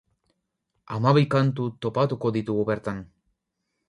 Hamabi kantu topatuko ditugu bertan.